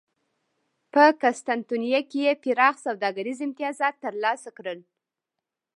په قسطنطنیه کې یې پراخ سوداګریز امتیازات ترلاسه کړل